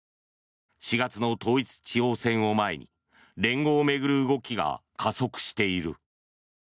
４月の統一地方選を前に連合を巡る動きが加速している。